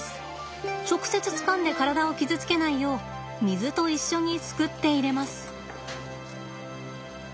直接つかんで体を傷つけないよう水と一緒にすくって入れます。